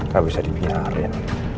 gak bisa dibiarin